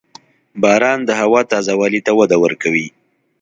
• باران د هوا تازه والي ته وده ورکوي.